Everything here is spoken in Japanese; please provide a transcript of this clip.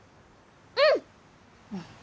うん！